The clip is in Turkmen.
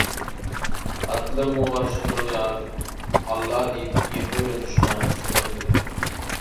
Atlylar muňa garaşyp duran ýaly «Alla!» diýip ýeňse beren duşmanyň üstüne eňdiler.